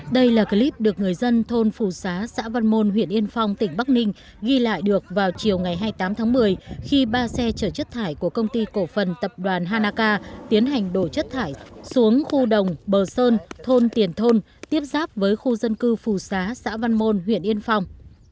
đây là clip được người dân thôn phù xá xã văn môn huyện yên phong tỉnh bắc ninh ghi lại được vào chiều ngày hai mươi tám tháng một mươi khi ba xe chở chất thải của công ty cổ phần tập đoàn hanaka tiến hành đổ chất thải xuống khu đồng bờ sơn thôn tiền thôn tiếp giáp với khu dân cư phù xá xã văn môn huyện yên phong